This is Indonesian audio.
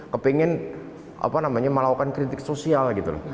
kepingin melakukan kritik sosial gitu loh